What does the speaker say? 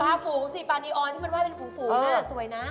ฝูงสิปานีออนที่มันไห้เป็นฝูงน่ะสวยนะ